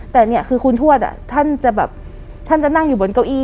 แต่คุณทวดท่านจะนั่งอยู่บนเก้าอี้